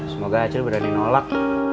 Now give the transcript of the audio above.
semoga acil berani nolak